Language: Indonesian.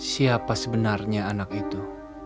siapa sebenarnya anak itu